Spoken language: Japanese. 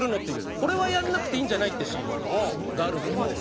これはやらなくていいんじゃない？ってシーンがあるんですけど。